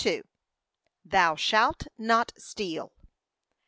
THOU SHALT NOT STEAL.